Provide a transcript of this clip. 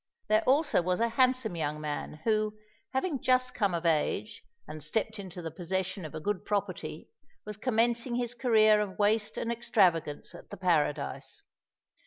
There also was a handsome young man, who, having just come of age, and stepped into the possession of a good property, was commencing his career of waste and extravagance at the Paradise.